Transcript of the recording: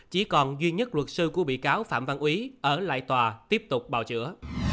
chỉ còn duy nhất luật sư của bị cáo phạm văn quý ở lại tòa tiếp tục bào chữa